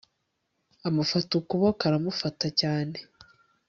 Amufata ukuboko aramufata cyane